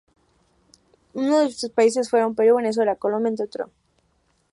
Uno de estos países fueron: Perú, Venezuela, Colombia, entre otros.